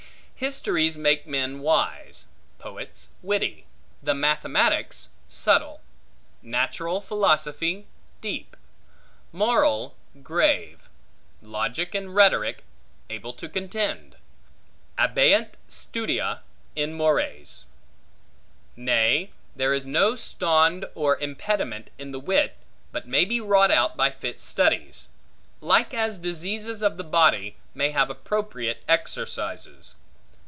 Histories make men wise; poets witty; the mathematics subtile; natural philosophy deep; moral grave; logic and rhetoric able to contend. Abeunt studia in mores. Nay, there is no stond or impediment in the wit, but may be wrought out by fit studies; like as diseases of the body, may have appropriate exercises.